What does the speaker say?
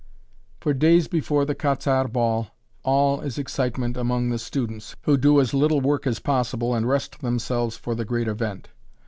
For days before the "Quat'z' Arts" ball, all is excitement among the students, who do as little work as possible and rest themselves for the great event.